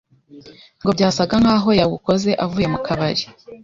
ngo byasaga nk’aho yabukoze avuye mu kabari